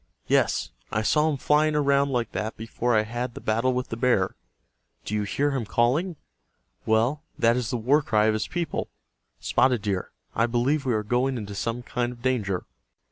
Yes, I saw him flying around like that before I had the battle with the bear. Do you hear him calling? Well, that is the war cry of his people. Spotted Deer, I believe we are going into some kind of danger."